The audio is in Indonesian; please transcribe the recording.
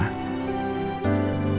ya sebentar aja